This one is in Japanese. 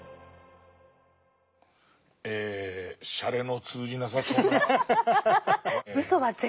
えしゃれの通じなさそうな。